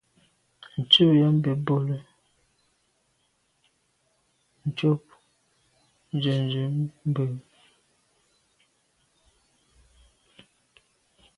Shutnyàm be bole, ntshob nzenze ndù.